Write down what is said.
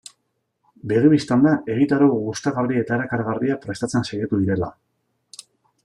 Begi bistan da egitarau gustagarri eta erakargarria prestatzen saiatu direla.